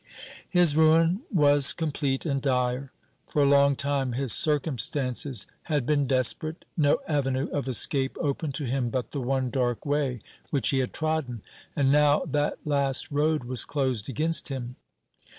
His ruin was complete and dire. For a long time his circumstances had been desperate no avenue of escape open to him but the one dark way which he had trodden; and now that last road was closed against him.